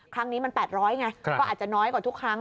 ครั้งนี้มัน๘๐๐ไงก็อาจจะน้อยกว่าทุกครั้ง